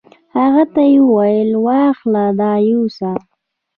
هغه ته یې وویل: واخله دا یوسه.